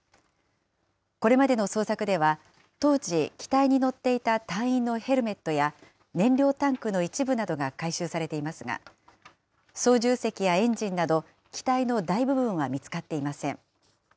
これまでの捜索では、当時、機体に乗っていた隊員のヘルメットや、燃料タンクの一部などが回収されていますが、操縦席やエンジンなど、機体の大部分は見つかっていません。